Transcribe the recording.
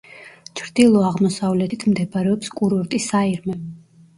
ჩრდილო-აღმოსავლეთით მდებარეობს კურორტი საირმე.